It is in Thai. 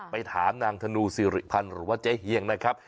ไปถามนางธนูสิริพันธ์หรือว่าเจ๊เฮียงนะครับ